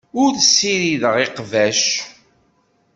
Ur ssirideɣ iqbac.